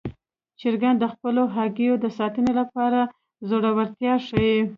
چرګان د خپلو هګیو د ساتنې لپاره زړورتیا ښيي.